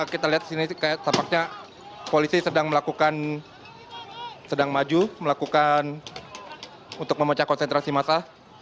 kita lihat disini tampaknya polisi sedang melakukan sedang maju melakukan untuk memecah konsentrasi masa